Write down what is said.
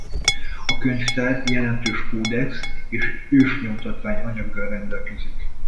A könyvtár jelentős kódex és ősnyomtatvány anyaggal rendelkezik.